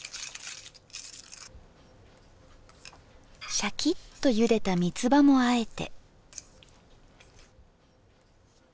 しゃきっとゆでた三つ葉もあえて。